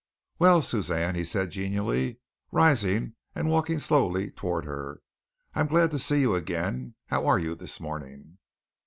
"Well, Suzanne," he said genially, rising and walking slowly toward her, "I'm glad to see you again. How are you this morning?"